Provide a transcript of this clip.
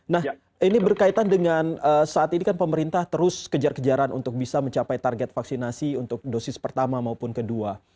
nah ini berkaitan dengan saat ini kan pemerintah terus kejar kejaran untuk bisa mencapai target vaksinasi untuk dosis pertama maupun kedua